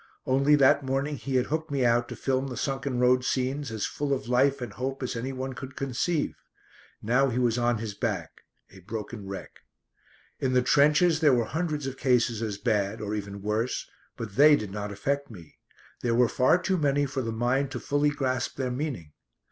Only that morning he had hooked me out to film the sunken road scenes as full of life and hope as anyone could conceive. Now he was on his back, a broken wreck. In the trenches there were hundreds of cases as bad, or even worse, but they did not affect me. There were far too many for the mind to fully grasp their meaning.